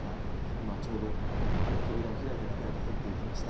今、ちょうど扉を開いて中へと入っていきました。